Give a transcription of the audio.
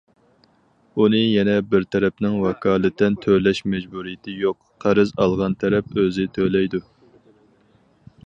ئۇنى يەنە بىر تەرەپنىڭ ۋاكالىتەن تۆلەش مەجبۇرىيىتى يوق، قەرز ئالغان تەرەپ ئۆزى تۆلەيدۇ.